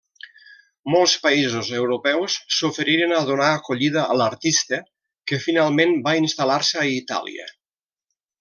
Molts països europeus s'oferiren a donar acollida a l'artista, que finalment va instal·lar-se a Itàlia.